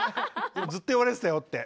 ずっと言われてたよって。